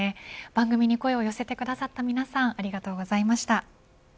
番組に声を寄せてくださった皆さんありがとうございました。